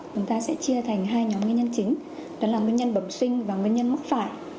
chúng ta sẽ chia thành hai nhóm nguyên nhân chính đó là nguyên nhân bẩm sinh và nguyên nhân mắc phải